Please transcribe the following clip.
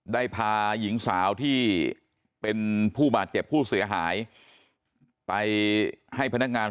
ได้พาหญิงสาวที่เป็นผู้บาดเจ็บผู้เสียหายไปให้พนักงาน